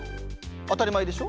当たり前でしょ。